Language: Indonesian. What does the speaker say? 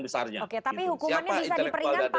besarnya oke tapi hukumannya bisa diperingat